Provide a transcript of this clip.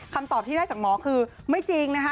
คำตอบที่ได้จากหมอคือไม่จริงนะคะ